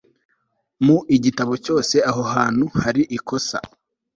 mu igitabo cyose aho hantu hari ikosa